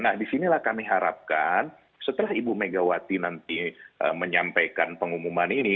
nah disinilah kami harapkan setelah ibu megawati nanti menyampaikan pengumuman ini